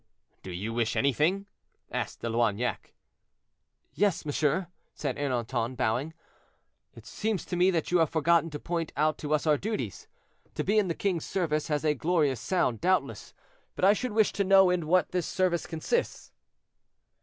"Do you wish anything?" asked De Loignac. "Yes, monsieur," said Ernanton, bowing; "it seems to me that you have forgotten to point out to us our duties. To be in the king's service has a glorious sound, doubtless, but I should wish to know in what this service consists?"